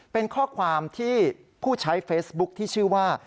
เป็นข้อความที่ผู้ใช้เฟซบุ๊คที่ชื่อว่า